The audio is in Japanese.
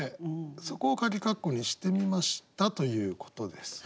そこをかぎ括弧にしてみましたということです。